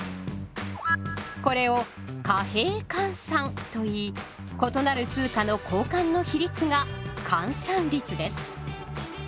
これを「貨幣換算」といい異なる通貨の交換の比率が「換算率」です。